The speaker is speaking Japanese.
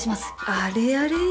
あれあれ？